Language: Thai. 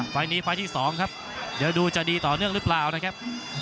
ไฟล์นี้ไฟล์ที่๒ครับเดี๋ยวดูจะดีต่อเนื่องหรือเปล่านะครับ